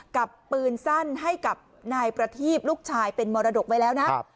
กับปืนสั้นให้กับนายประทีบลูกชายเป็นมรดกไว้แล้วนะ